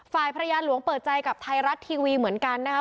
ฝ่ายภรรยาหลวงเปิดใจกับไทยรัฐทีวีเหมือนกันนะคะ